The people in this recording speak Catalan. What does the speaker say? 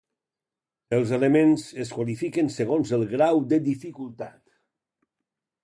Els elements es qualifiquen segons el grau de dificultat.